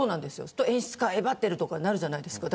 演出家がえばっているとかになるじゃないですか。